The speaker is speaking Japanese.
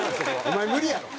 お前無理やろ！